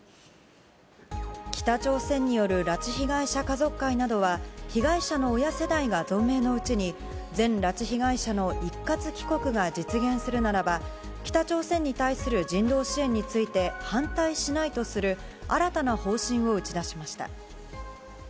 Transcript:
北朝鮮による拉致被害者家族会などは、被害者の親世代が存命のうちに、全拉致被害者の一括帰国が実現するならば、北朝鮮に対する人道支援について反対しないとする、新たな方針を打ち出しました。